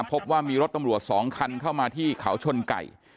พบว่ามีรถตำรวจ๒คันเข้ามาที่เขาชนไก่